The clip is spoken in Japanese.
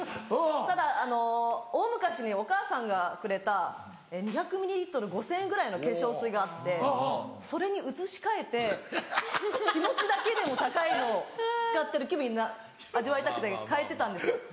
ただ大昔にお母さんがくれた２００ｍ５０００円ぐらいの化粧水があってそれに移し替えて気持ちだけでも高いのを使ってる気分味わいたくて替えてたんですよ。